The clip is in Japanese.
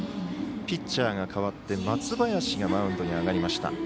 ピッチャーがかわって松林がマウンドに上がりました。